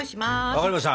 分かりました！